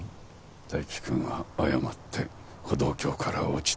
泰生君は誤って歩道橋から落ちた。